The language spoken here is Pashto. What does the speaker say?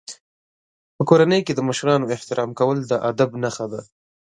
په کورنۍ کې د مشرانو احترام کول د ادب نښه ده.